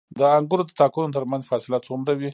د انګورو د تاکونو ترمنځ فاصله څومره وي؟